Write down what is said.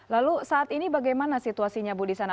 lalu saat ini bagaimana situasinya bu di sana